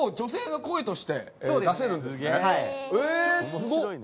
すごっ！